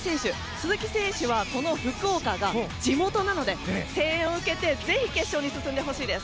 鈴木選手は福岡が地元なので声援を受けてぜひ決勝に進んでほしいです。